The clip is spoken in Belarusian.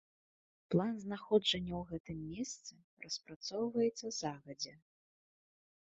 План знаходжання ў гэтым месцы распрацоўваецца загадзя.